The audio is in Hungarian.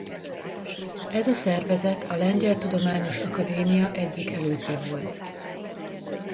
Ez a szervezet a lengyel tudományos akadémia egyik elődje volt.